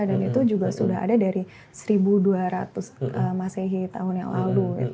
dan itu juga sudah ada dari seribu dua ratus masehi tahun yang lalu